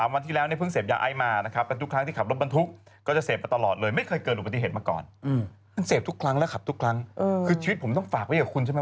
วันหลังปากขับไปแถวราบเท้าช้า๑๘นะครับไปทำไม